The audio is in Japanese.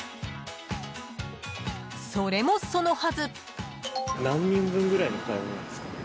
［それもそのはず］